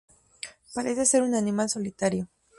Parece ser un animal solitario.